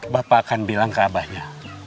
bapak akan bilang ke abahnya